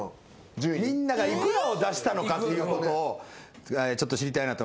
みんなが幾らを出したのかということをちょっと知りたいなと。